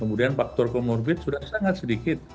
kemudian faktor comorbid sudah sangat sedikit